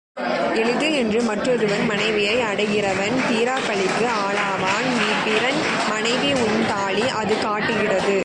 எளிது என்று மற்றொருவன் மனைவியை அடைகிறவன் தீராப்பழிக்கு ஆளாவான் நீ பிறன் மனைவி உன்தாலி அது காட்டுகிறது.